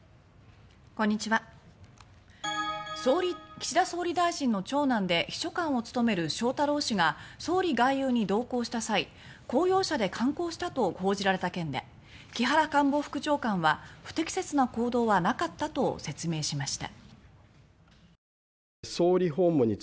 岸田総理大臣の長男で秘書官を務める翔太郎氏が総理外遊に同行した際公用車で観光したと報じられた件で木原官房副長官は不適切な行動はなかったと説明しました。